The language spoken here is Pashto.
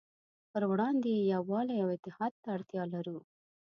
پروړاندې یې يووالي او اتحاد ته اړتیا لرو.